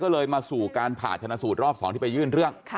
ก็เลยมาสู่การผ่าชนะสูตรรอบ๒ที่ไปยื่นเรื่อง